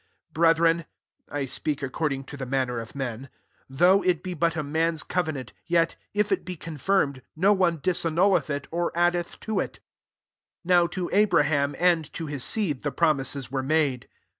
15' Brethren, (I speak ac cording to the manner of men,) though it he but a man's cove nant, yet, if it be confirmed, no one disannulleth it, or addeth to it. 16 Now to Abraham, and to his seed, the promises were made.